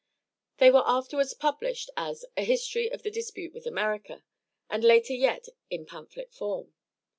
They were afterwards published as "A History of the Dispute with America," and later yet in pamphlet form.